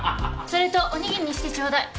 それとおにぎりにしてちょうだい。